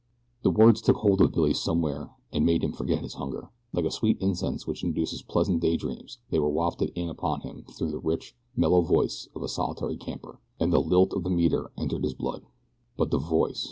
The words took hold of Billy somewhere and made him forget his hunger. Like a sweet incense which induces pleasant daydreams they were wafted in upon him through the rich, mellow voice of the solitary camper, and the lilt of the meter entered his blood. But the voice.